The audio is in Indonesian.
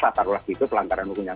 atau lagi itu pelanggaran hukum yang